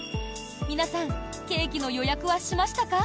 皆さんケーキの予約はしましたか？